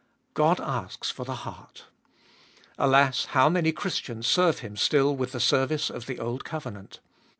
God asks for the heart. Alas, how many Christians serve Him still with the service of the old covenant.